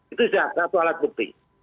itu sudah satu alat bukti